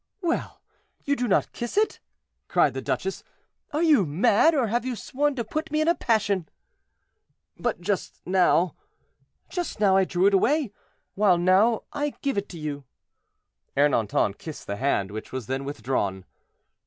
"Well, you do not kiss it!" cried the duchess; "are you mad, or have you sworn to put me in a passion?" "But just now—" "Just now I drew it away, while now I give it to you." Ernanton kissed the hand, which was then withdrawn.